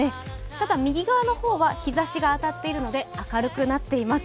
ただ、右側の方は日ざしが当たっているので明るくなっています。